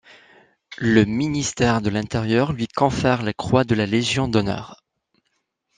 Le ministère de l'Intérieur lui confère la croix de la Légion d'honneur.